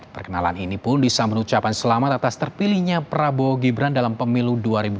perkenalan ini pun disambung ucapan selamat atas terpilihnya prabowo gibran dalam pemilu dua ribu dua puluh